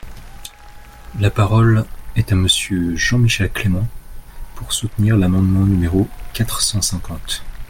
La parole est à Monsieur Jean-Michel Clément, pour soutenir l’amendement numéro quatre cent cinquante.